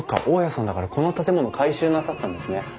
大家さんだからこの建物を改修なさったんですね。